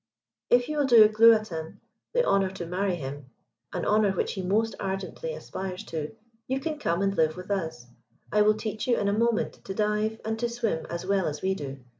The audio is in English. If you will do Gluatin the honour to marry him, an honour which he most ardently aspires to, you can come and live with us. I will teach you in a moment to dive and to swim as well as we do.